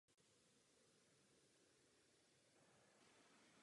Stal se tak senátorem.